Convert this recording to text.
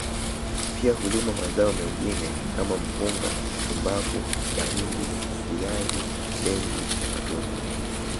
Pia hulima mazao mengine kama mpunga tumbaku mahindi viazi dengu na matunda